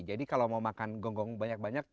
jadi kalau mau makan gonggong banyak banyak